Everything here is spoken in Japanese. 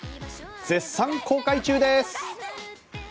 絶賛公開中です。